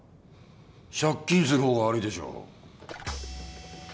借金するほうが悪いでしょ。